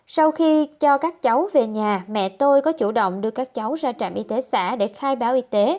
sau khi cho các cháu về nhà mẹ tôi có chủ động đưa các cháu ra trạm y tế xã để khai báo y tế